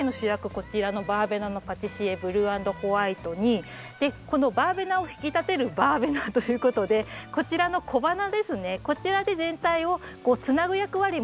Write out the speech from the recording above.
こちらのバーベナのパティシエブルー＆ホワイトにこのバーベナを引き立てるバーベナということでこちらの小花ですねこちらで全体をつなぐ役割も。